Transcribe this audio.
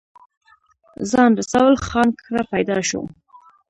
خان رسول خان کره پيدا شو ۔